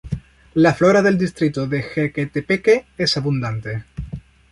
La flora del distrito de Jequetepeque es abundante.